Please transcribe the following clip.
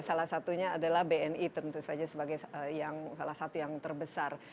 salah satunya adalah bni tentu saja sebagai salah satu yang terbesar